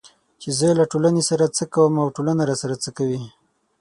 چې زه له ټولنې سره څه کوم او ټولنه راسره څه کوي